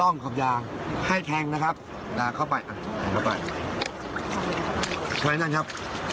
ร่องขอบยางให้แทงนะครับนะเข้าไปเข้าไปเข้านั่นครับ